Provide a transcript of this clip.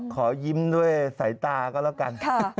ขอยิ้มด้วยสายตาก็แล้วกัน